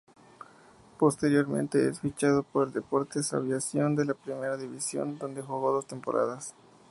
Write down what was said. Posteriormente es fichado por Deportes Aviación de la Primera División, donde jugó dos temporadas.